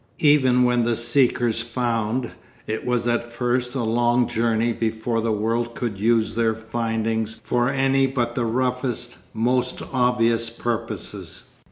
Even when the seekers found, it was at first a long journey before the world could use their findings for any but the roughest, most obvious purposes.